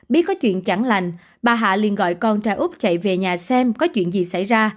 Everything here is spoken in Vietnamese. biết có chuyện chẳng lành bà hạ liên gọi con tra úc chạy về nhà xem có chuyện gì xảy ra